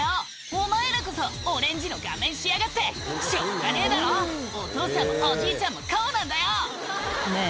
「お前らこそオレンジの顔面しやがって」「しょうがねえだろお父さんもおじいちゃんもこうなんだよ！」ねぇ